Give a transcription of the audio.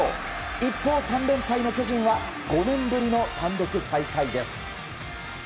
一方、３連敗の巨人は５年ぶりの単独最下位です。